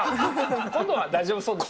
今度は大丈夫そうですね。